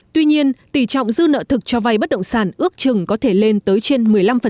tuy nhiên tỷ trọng dư nợ thực cho vay bất động sản ước chừng có thể lên tới trên một mươi năm